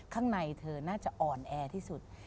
ข้างในเธอน่าจะอ่อนแอที่สุด